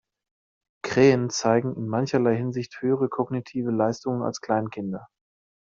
Krähen zeigen in mancherlei Hinsicht höhere kognitive Leistungen als Kleinkinder.